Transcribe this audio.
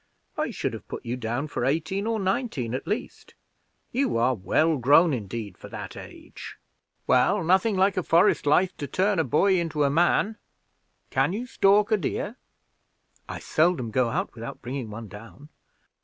"I should have put you down for eighteen or nineteen at least. You are well grown indeed for that age. Well, nothing like a forest life to turn a boy into a man! Can you stalk a deer?" "I seldom go out without bringing one down."